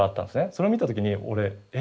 それを見た時に俺え？